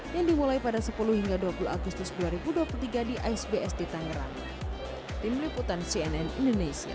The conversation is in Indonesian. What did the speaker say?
yang dimulai pada sepuluh hingga dua puluh agustus dua ribu dua puluh tiga di isbs di tangerang